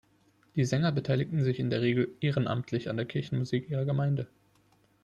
Die Sänger beteiligen sich in der Regel ehrenamtlich an der Kirchenmusik ihrer Gemeinde.